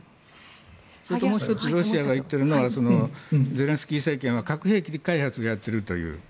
それともう１つロシアが言っているのはゼレンスキー政権は核兵器開発をやっているという。